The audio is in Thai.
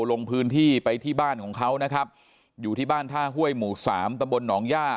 ลงพื้นที่ไปที่บ้านของเขานะครับอยู่ที่บ้านท่าห้วยหมู่สามตะบลหนองย่า